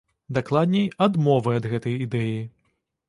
Дакладней, адмовы ад гэтай ідэі.